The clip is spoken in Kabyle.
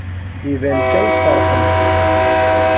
Iban kan tfeṛḥemt.